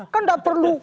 kan gak perlu